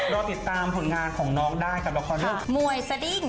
รอติดตามผลงานของน้องในรากวัลเช่น